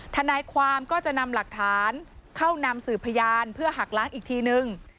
ทนายความก็จะนำหลักฐานเข้านำสืบพยานเพื่อหักล้างอีกทีนึง